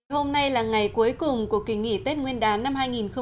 hôm nay là ngày cuối cùng của kỳ nghỉ tết nguyên đán năm hai nghìn một mươi chín